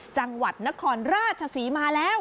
จังหวัดนครราชศรีมาแล้ว